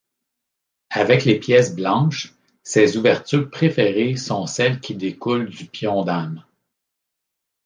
Avec les pièces blanches, ses ouvertures préférées sont celles qui découlent du pion-dame.